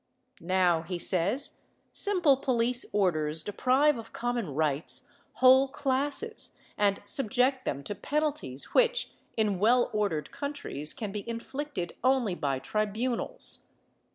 Now, he says, simple police orders deprive of common rights whole classes, and subject them to penalties which in well ordered countries can be inflicted only by tribunals.